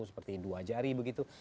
seperti dua jari begitu